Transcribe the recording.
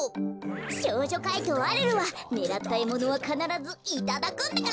少女怪盗アルルはねらったえものはかならずいただくんだから！